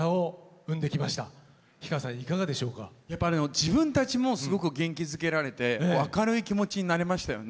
自分たちもすごく元気づけられて明るい気持ちになれましたよね。